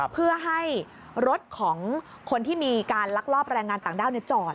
เพื่อให้รถของคนที่มีการลักลอบแรงงานต่างด้าวจอด